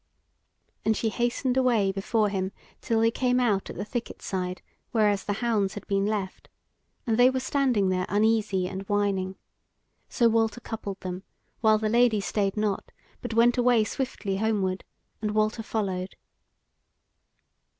And she hastened away before him till they came out at the thicket side whereas the hounds had been left, and they were standing there uneasy and whining; so Walter coupled them, while the Lady stayed not, but went away swiftly homeward, and Walter followed.